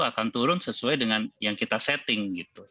akan turun sesuai dengan yang kita setting